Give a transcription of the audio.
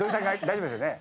大丈夫ですよね？